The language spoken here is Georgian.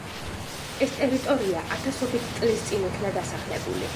ეს ტერიტორია ათასობით წლის წინ იქნა დასახლებული.